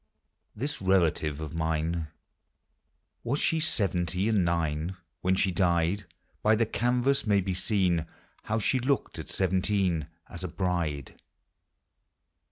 Tins relative of mine. Was she seveuty and nine When she died? l$y the canvas may be seen How she looked at seventeen, As a bride.